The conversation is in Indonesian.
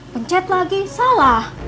pencet lagi salah